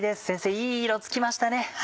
先生いい色つきましたね。